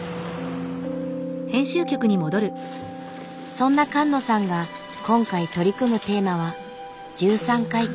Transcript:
そんな菅野さんが今回取り組むテーマは「十三回忌」。